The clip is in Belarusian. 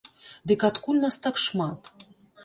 Дык адкуль нас так шмат?